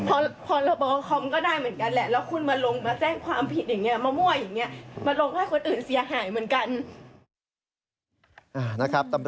ในข้อคอมก็ได้เหมือนกันแหละ